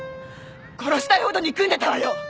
殺したいほど憎んでたわよ！